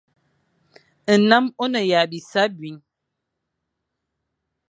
Nnam o ne ya bisa abi.